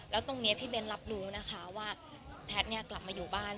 แล้วตรงนี้พี่เบ้นรับรู้นะคะว่าแพทย์กลับมาอยู่บ้าน